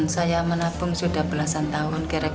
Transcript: saya menabung sudah belasan tahun kira kira empat belas tahun